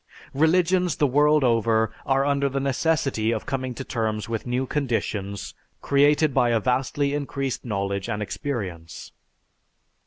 "Religions the world over are under the necessity of coming to terms with new conditions created by a vastly increased knowledge and experience."